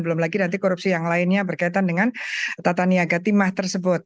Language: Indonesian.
belum lagi nanti korupsi yang lainnya berkaitan dengan tata niaga timah tersebut